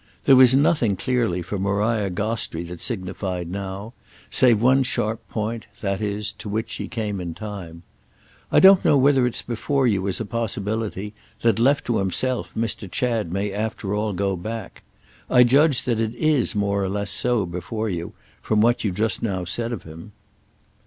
There was nothing clearly for Maria Gostrey that signified now—save one sharp point, that is, to which she came in time. "I don't know whether it's before you as a possibility that, left to himself, Mr. Chad may after all go back. I judge that it is more or less so before you, from what you just now said of him."